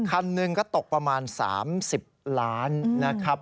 คันหนึ่งก็ตกประมาณ๓๐ล้านนะครับ